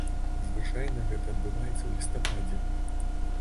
Звычайна гэта адбываецца ў лістападзе.